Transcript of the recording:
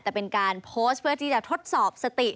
แต่เป็นการโพสต์เพื่อที่จะทดสอบสติ